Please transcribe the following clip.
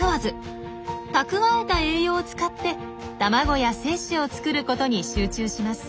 蓄えた栄養を使って卵や精子を作ることに集中します。